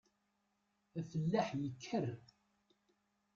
Afellaḥ yekker.